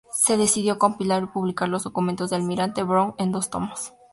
Se decidió compilar y publicar los Documentos del Almirante Brown, en dos tomos.